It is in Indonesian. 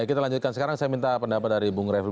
kita lanjutkan sekarang saya minta pendapat dari bung revi